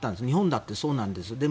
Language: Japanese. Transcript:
日本だってそうなんです。